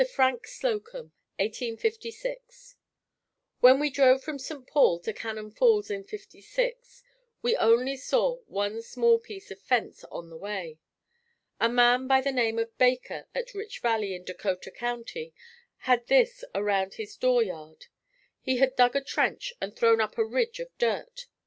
Frank Slocum 1856. When we drove from St. Paul to Cannon Falls in '56 we only saw one small piece of fence on the way. A man by the name of Baker at Rich Valley in Dakota County had this around his door yard. He had dug a trench and thrown up a ridge of dirt.